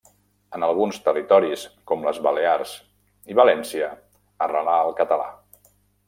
En alguns territoris, com les Balears i València, arrelà el català.